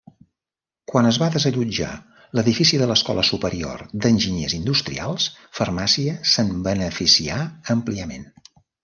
Quan es va desallotjar l'edifici de l'Escola Superior d'Enginyers Industrials, Farmàcia se'n beneficià àmpliament.